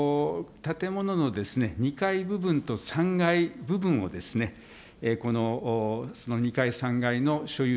その建物の２階部分と３階部分をですね、この、２階、３階の所有